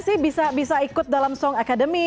sih bisa ikut dalam song academy